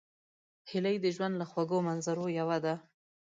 هیلۍ د ژوند له خوږو منظرو یوه ده